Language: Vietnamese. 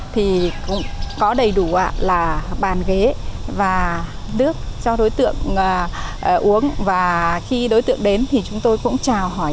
thì có đầy đủ là bàn ghế và nước cho đối tượng uống và khi đối tượng đến thì chúng tôi cũng trào hỏi